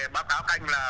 báo cáo anh là